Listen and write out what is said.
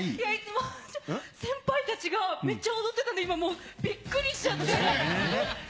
ちょっと、先輩たちがめっちゃ踊ってたんで、今もう、びっくりしちゃって。